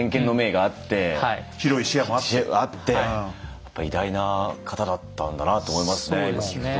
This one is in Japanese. やっぱ偉大な方だったんだなと思いますね聞くと。